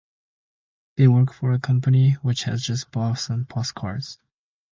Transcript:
They work for a company, which has just bought some postcards.